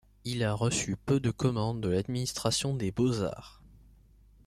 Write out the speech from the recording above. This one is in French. Il a reçu peu de commandes de l'administration des beaux-arts.